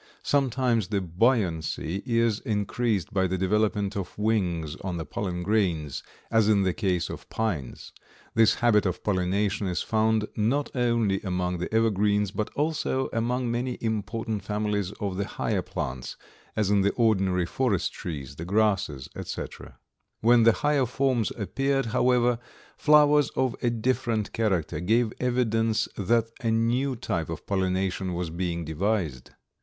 Sometimes the buoyancy is increased by the development of wings on the pollen grains, as in the case of pines. This habit of pollination is found not only among the evergreens, but also among many important families of the higher plants, as in the ordinary forest trees, the grasses, etc. When the higher forms appeared, however, flowers of a different character gave evidence that a new type of pollination was being devised.